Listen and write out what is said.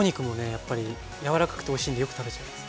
やっぱり柔らかくておいしいんでよく食べちゃいます。